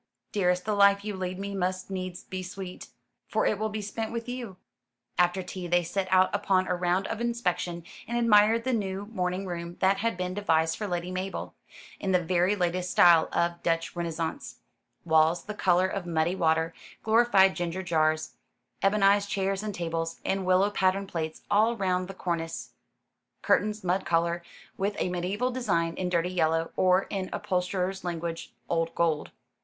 "Dearest, the life you lead me must needs be sweet, for it will be spent with you." After tea they set out upon a round of inspection, and admired the new morning room that had been devised for Lady Mabel, in the very latest style of Dutch Renaissance walls the colour of muddy water, glorified ginger jars, ebonised chairs and tables, and willow pattern plates all round the cornice; curtains mud colour, with a mediaeval design in dirty yellow, or, in upholsterer's language, "old gold."